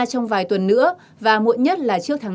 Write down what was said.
trong vài tuần nữa và muộn nhất là trước tháng năm